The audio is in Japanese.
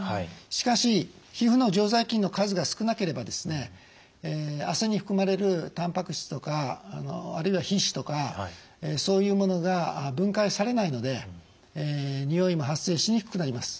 しかし皮膚の常在菌の数が少なければ汗に含まれるタンパク質とかあるいは皮脂とかそういうものが分解されないのでにおいも発生しにくくなります。